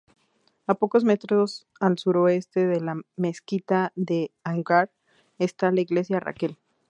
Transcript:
A pocos metros al suroeste de la Mezquita de Anwar está la Iglesia Raquel.